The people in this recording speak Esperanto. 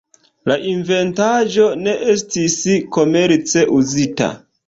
La inventaĵo ne estis komerce uzita.